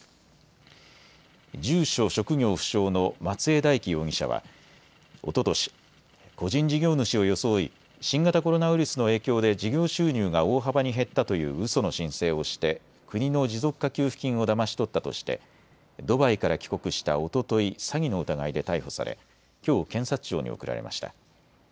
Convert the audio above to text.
住所・職業不詳の松江大樹容疑者はおととし個人事業主を装い新型コロナウイルスの影響で事業収入が大幅に減ったといううその申請をして国の持続化給付金をだまし取ったとしてドバイから帰国したおととい詐欺の疑いで逮捕されきょう検察庁に送られました。